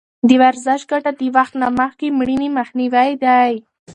د ورزش ګټه د وخت نه مخکې مړینې مخنیوی دی.